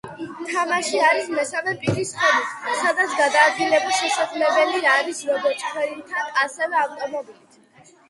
თამაში არის მესამე პირის ხედვით, სადაც გადაადგილება შესაძლებელია არის, როგორც ქვეითად, ასევე ავტომობილით.